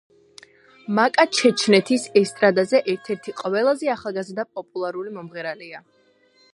მაკა ჩეჩნეთის ესტრადაზე ერთ-ერთი ყველაზე ახალგაზრდა და პოპულარული მომღერალია.